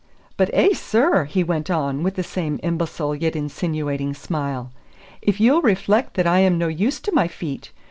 "But eh, sir!" he went on, with the same imbecile yet insinuating smile, "if ye'll reflect that I am no used to my feet.